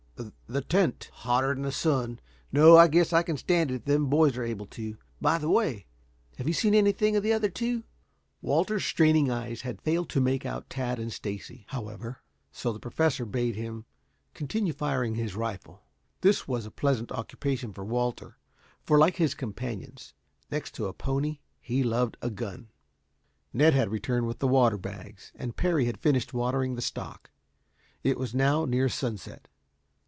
"The tent " "Hotter than the sun. No, I guess I can stand it if those boys are able to. By the way, have you seen anything of the other two?" "I'll ascertain if Walter has discovered them yet." Walter's straining eyes had failed to make out Tad and Stacy, however, so the Professor bade him continue firing his rifle. This was a pleasant occupation for Walter, for, like his companions, next to a pony he loved a gun. Ned had returned with the water bags, and Parry had finished watering the stock. It was now near sunset.